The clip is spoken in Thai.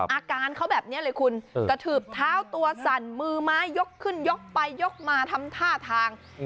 อาการเขาแบบนี้เลยคุณกระทืบเท้าตัวสั่นมือไม้ยกขึ้นยกไปยกมาทำท่าทาง